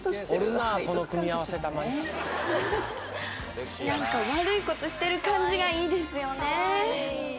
その何か悪いことしてる感じがいいですよね